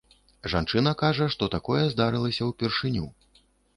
Жанчына кажа, што такое здарылася ўпершыню.